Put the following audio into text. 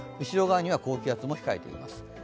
後ろ側には高気圧も控えています。